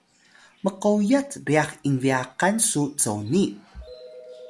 mqoyat ryax inbyaqan su coni